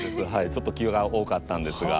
ちょっと気が多かったんですが。